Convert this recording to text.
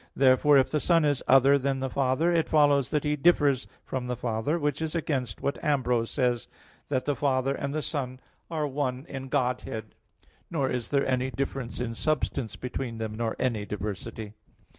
Therefore, if the Son is other than the Father, it follows that He differs from the Father; which is against what Ambrose says (De Fide i), that "the Father and the Son are one in Godhead; nor is there any difference in substance between them, nor any diversity."